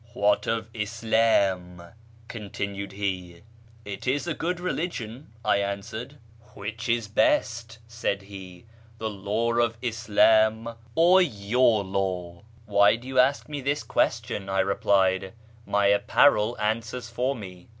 " What of Islam ?" continued he. " It is a good religion," I answered. " Which is best," said he :" the Law of Islam or your Law ?"" Why do you ask me this question ?" I replied ;" my apparel answers for me.